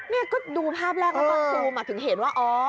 นี่ก็ดูภาพแรกแล้วตอนซูมถึงเห็นว่าอ๋อ